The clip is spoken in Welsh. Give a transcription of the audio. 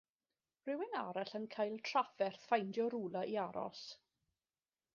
Rhywun allan yn cael trafferth ffeindio rwla i aros?